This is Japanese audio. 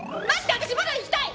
私まだ生きたい！